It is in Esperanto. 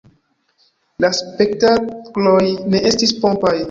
La spektakloj ne estis pompaj.